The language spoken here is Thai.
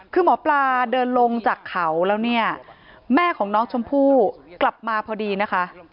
คือหมอปลาเดินลงจากเขาแล้วเนี่ยแม่ของน้องชมพู่กลับมาพอดีนะคะ